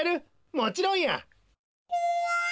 もちろんや！